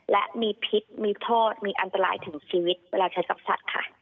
และมีพิษมีโทษมีอันตรายถึงชีวิตเวลาใช้กับสัตว์ค่ะ